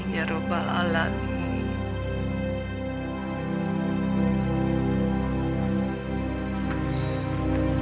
ya rabbal alamin